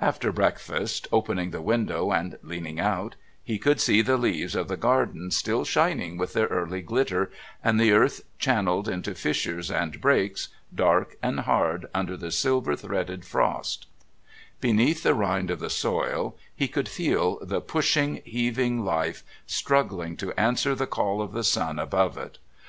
After breakfast, opening the window and leaning out, he could see the leaves of the garden still shining with their early glitter and the earth channelled into fissures and breaks, dark and hard under the silver threaded frost; beneath the rind of the soil he could feel the pushing, heaving life struggling to answer the call of the sun above it.